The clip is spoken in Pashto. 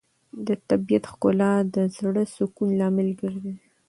د طبیعت ښکلا د زړه سکون لامل ګرځي.